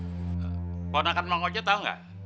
kondisi dari keponakan bang ojo tahu nggak